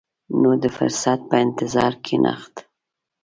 نو د فرصت په انتظار کښېناست.